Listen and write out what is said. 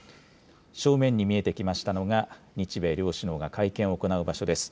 正面に見えてきましたのが、日米両首脳が会見を行う場所です。